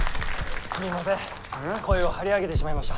すみません声を張り上げてしまいました。